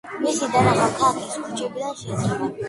მისი დანახვა ქალაქის ქუჩებიდან შეიძლება.